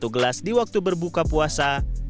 satu gelas di waktu berbuka puasa